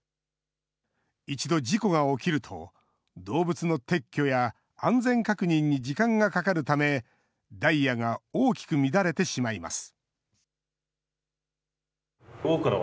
一度事故が起きると、動物の撤去や安全確認に時間がかかるため、ダイヤが大きく乱れてしまいます。